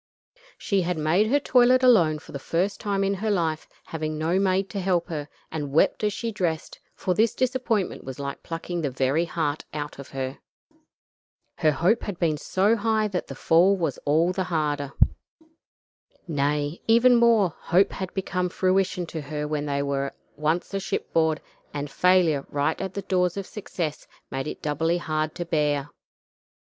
She had made her toilet alone for the first time in her life, having no maid to help her, and wept as she dressed, for this disappointment was like plucking the very heart out of her. Her hope had been so high that the fall was all the harder. Nay, even more; hope had become fruition to her when they were once a shipboard, and failure right at the door of success made it doubly hard to bear.